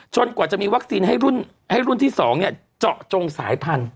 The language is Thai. กว่าจะมีวัคซีนให้รุ่นที่๒เจาะจงสายพันธุ